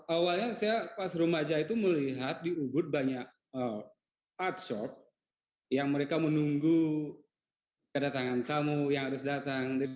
awalnya saya pas remaja itu melihat di ubud banyak artshop yang mereka menunggu kedatangan tamu yang harus datang